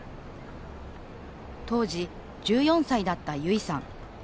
当時１４歳だった、ゆいさん。